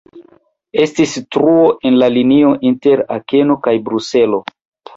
Estis truo en la linio inter Akeno kaj Bruselo.